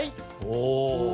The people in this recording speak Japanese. お。